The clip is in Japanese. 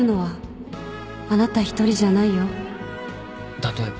例えば？